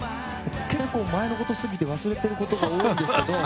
結構、前のことすぎて忘れてることが多いんですけど。